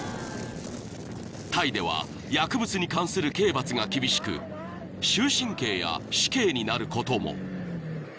［タイでは薬物に関する刑罰が厳しく終身刑や死刑になることも］